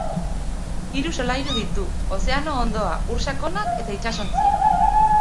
Hiru solairu ditu, ozeano hondoa, ur sakonak eta itsasontziak.